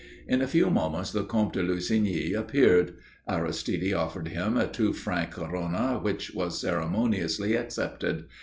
In a few moments the Comte de Lussigny appeared. Aristide offered him a two francs corona which was ceremoniously accepted.